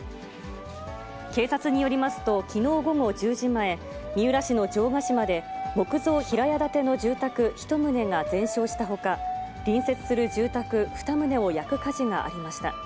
警察によりますと、きのう午後１０時前、三浦市の城ヶ島で、木造平屋建ての住宅１棟が全焼したほか、隣接する住宅２棟を焼く火事がありました。